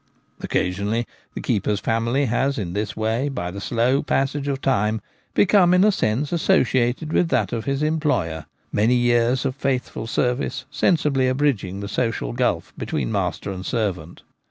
Occasionally the keeper's family has in this way by the slow passage of time become in a sense associated with that of his employer ; many years of faithful ser vice sensibly abridging the social gulf between master and servant.